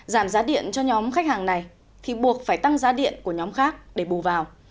giảm giá điện cho nhóm khách hàng này thì buộc phải tăng giá điện của nhóm khác để bù vào